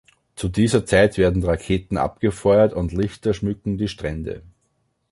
Zu dieser Zeit werden Raketen abgefeuert und Lichter schmücken die Strände.